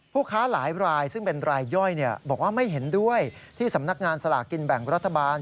ค้าหลายรายซึ่งเป็นรายย่อยบอกว่าไม่เห็นด้วยที่สำนักงานสลากกินแบ่งรัฐบาล